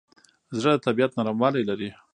زړه د طبیعت نرموالی لري.